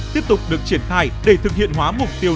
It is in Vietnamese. tiếp tục được triển khai để thực hiện hóa mục tiêu